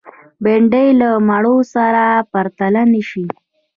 بېنډۍ له مڼو سره پرتله نشي